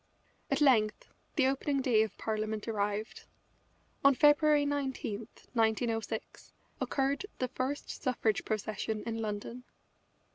At length the opening day of Parliament arrived. On February 19, 1906, occurred the first suffrage procession in London.